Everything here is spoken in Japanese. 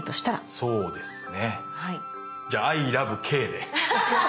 そうですね。